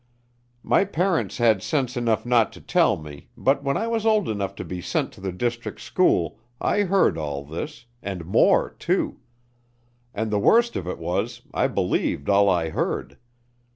"My parents had sense enough not to tell me, but when I was old enough to be sent to the district school, I heard all this, and more, too; and the worst of it was I believed all I heard.